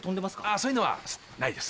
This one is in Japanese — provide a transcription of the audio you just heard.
そういうのはないです